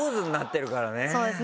そうですね。